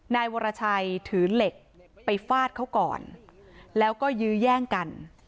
นายวรชัยถือเหล็กไปฟาดเขาก่อนแล้วก็ยื้อแย่งกัน